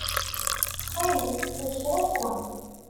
Ttxil mmeslay kra kra.